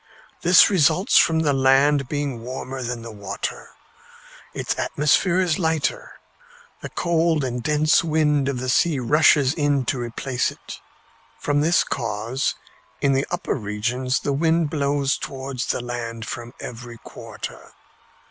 This results from the land being warmer than the water. Its atmosphere is lighter. The cold and dense wind of the sea rushes in to replace it. From this cause, in the upper regions the wind blows towards the land from every quarter.